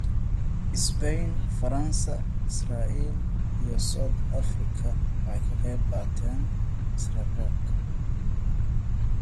Spain, France, Israel, and South Africa took part in the qualifier.